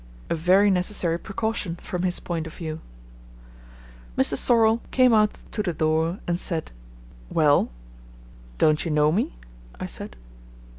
A very necessary precaution from his point of view. Mr. Sorlle came out to the door and said, "Well?" "Don't you know me?" I said.